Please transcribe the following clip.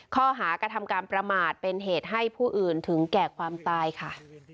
ข้อหากระทำการประมาทเป็นเหตุให้ผู้อื่นถึงแก่ความตายค่ะ